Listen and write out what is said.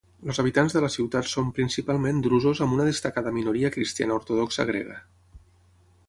Els habitants de la ciutat són principalment drusos amb una destacada minoria cristiana ortodoxa grega.